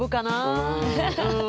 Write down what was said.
うん。